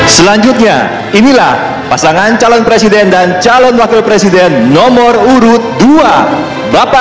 selanjutnya inilah pasangan calon presiden dan calon wakil presiden nomor urut dua